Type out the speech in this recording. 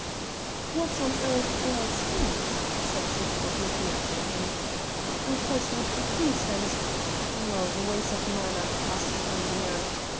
"What on earth ails him?" said Siegburg looking after him. "I thought he would be pleased and well! the ways of man are past finding out.